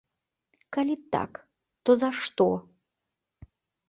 Калі так, то за што?